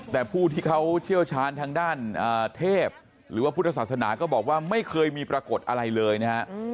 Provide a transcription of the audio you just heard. แต่ผู้ที่เขาเชี่ยวชาญทางด้านเทพหรือว่าพุทธศาสนาก็บอกว่าไม่เคยมีปรากฏอะไรเลยนะฮะ